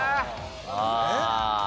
ああ！